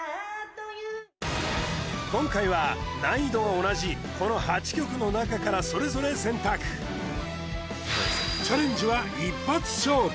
今回は難易度が同じこの８曲の中からそれぞれ選択えっ？